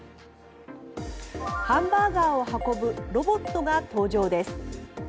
ハンバーガーを運ぶロボットが登場です。